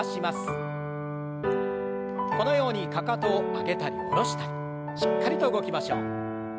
このようにかかとを上げたり下ろしたりしっかりと動きましょう。